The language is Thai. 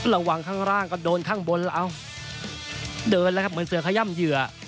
ระวังข้างล่างก็โดนข้างบนแล้วเดินแล้วครับเหมือนเสือขย่ำเหยื่อ